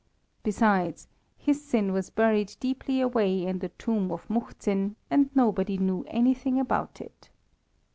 Besides, his sin was buried deeply away in the tomb of Muhzin, and nobody knew anything about it.